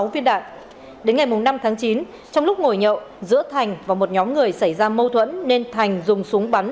sáu viên đạn đến ngày năm tháng chín trong lúc ngồi nhậu giữa thành và một nhóm người xảy ra mâu thuẫn nên thành dùng súng bắn